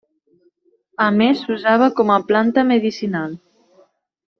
A més s'usava com a planta medicinal.